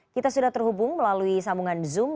kita sudah terhubung melalui sambungan zoom